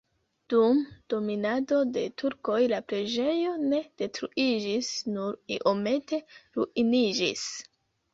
Dum dominado de turkoj la preĝejo ne detruiĝis, nur iomete ruiniĝis.